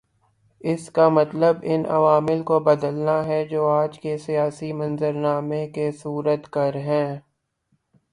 اس کا مطلب ان عوامل کو بدلنا ہے جو آج کے سیاسی منظرنامے کے صورت گر ہیں۔